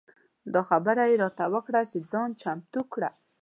دا خبره یې راته وکړه چې ځان چمتو کړه.